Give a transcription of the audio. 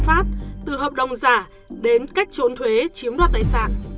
pháp từ hợp đồng giả đến cách trốn thuế chiếm đoạt tài sản